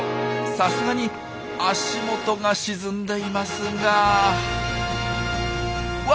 さすがに足元が沈んでいますがうわ